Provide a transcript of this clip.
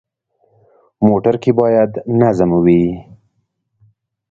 موټر کې باید نظم وي.